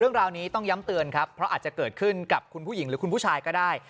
เรื่องราวนี้ต้องย้ำเตือนครับเพราะอาจจะเกิดขึ้นกับคุณผู้หญิงหรือคุณผู้ชายก็ได้